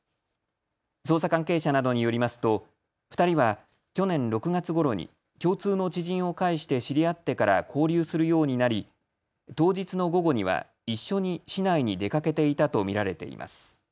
捜査関係者などによりますと２人は去年６月ごろに共通の知人を介して知り合ってから交流するようになり当日の午後には一緒に市内に出かけていたと見られています。